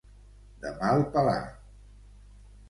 De mal pelar.